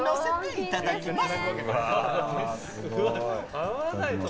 いただきます！